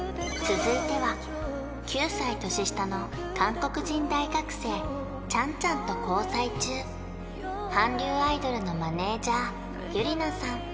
続いては９歳年下の韓国人大学生チャンチャンと交際中韓流アイドルのマネージャーユリナさん